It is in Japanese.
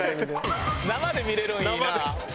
生で見れるんいいな。